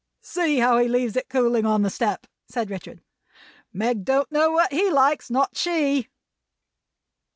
"See how he leaves it cooling on the step!" said Richard. "Meg don't know what he likes. Not she!"